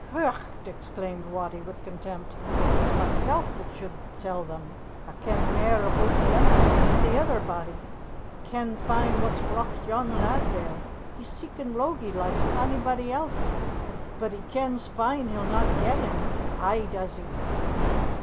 "Heuch!" exclaimed Wattie, with contempt, "it's mysel' that should tell them! A ken mair aboot Flemington than ony ither body a ken fine what's brocht yon lad here. He's seeking Logie, like a'body else, but he kens fine he'll na get him ay, does he!"